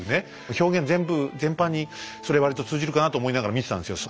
表現全部全般にそれ割と通じるかなと思いながら見てたんですよ。